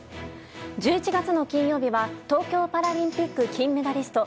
１１月の金曜日は東京パラリンピック金メダリスト